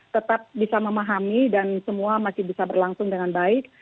tetap bisa memahami dan semua masih bisa berlangsung dengan baik